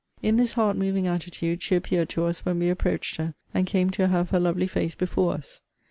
In this heart moving attitude she appeared to us when we approached her, and came to have her lovely face before us.